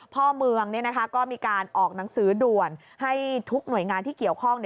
พ่อเมืองก็มีการออกหนังสือด่วนให้ทุกหน่วยงานที่เกี่ยวข้อง